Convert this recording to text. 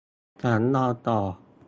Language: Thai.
ฉันนอนต่อ